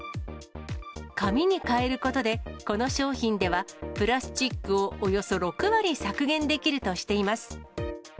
紙に変えることで、この商品ではプラスチックをおよそ６割削減できるとしています。